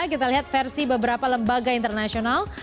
kita lihat versi beberapa lembaga internasional